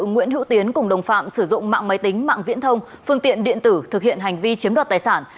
nguyễn hữu tiến cùng đồng phạm sử dụng mạng máy tính mạng viễn thông phương tiện điện tử thực hiện hành vi chiếm đoạt tài sản